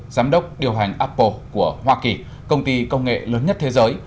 giám đốc điều hành apple của hoa kỳ công ty công nghệ lớn nhất thế giới